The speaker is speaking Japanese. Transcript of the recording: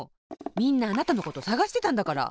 みんなあなたのことさがしてたんだから。